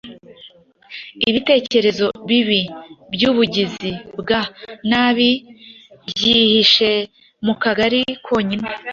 ibitekerezo bibi byubugizi bwa nabi byihishe mu kagari konyine